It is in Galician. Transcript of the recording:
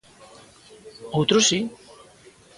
Outros si.